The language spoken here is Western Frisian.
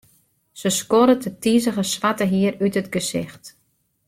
Se skoddet it tizige swarte hier út it gesicht.